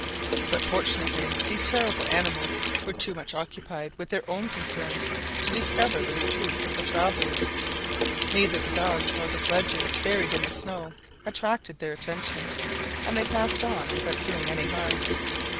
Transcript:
But fortunately these terrible animals were too much occupied with their own concerns to discover the retreat of the travellers; neither the dogs nor the sledges, buried in the snow, attracted their attention, and they passed on without doing any harm.